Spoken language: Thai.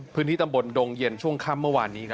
พื้นที่ตำบลดงเย็นช่วงค่ำเมื่อวานนี้